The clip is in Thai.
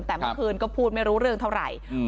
แต่เมื่อคืนก็พูดไม่รู้เรื่องเท่าไหร่